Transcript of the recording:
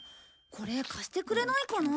これ貸してくれないかな？